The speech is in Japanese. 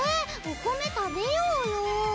お米食べようよ。